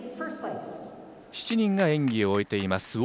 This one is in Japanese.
７人が演技を終えています。